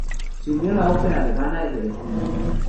Se unió a la Ópera alemana de Berlín.